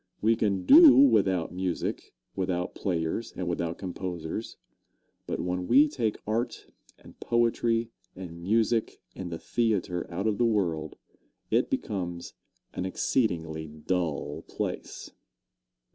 We can do without music, without players and without composers; but when we take art and poetry and music and the theatre out of the world, it becomes an exceedingly dull place.